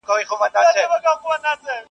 د زینبي قلم مات سو؛ رنګ یې توی کړه له سینې خپل.